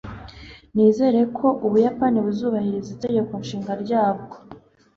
Nizere ko Ubuyapani buzubahiriza Itegeko Nshinga ryabwo